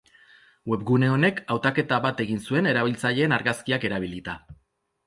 Webgune honek hautaketa bat egin zuen erabiltzaileen argazkiak erabilita.